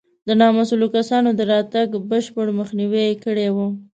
د نامسوولو کسانو د راتګ بشپړ مخنیوی یې کړی و.